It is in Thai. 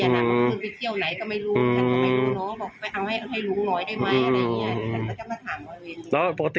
ไปเที่ยวไหนก็ไม่รู้น้องเอาให้ลูกหน่อยได้ไหมอะไรเงี้ยจะมาถามกันเลย